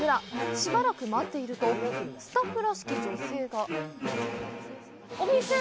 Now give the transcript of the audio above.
しばらく待っているとスタッフらしき女性が。